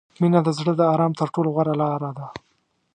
• مینه د زړه د آرام تر ټولو غوره لاره ده.